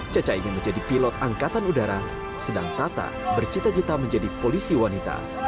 caca ingin menjadi pilot angkatan udara sedang tata bercita cita menjadi polisi wanita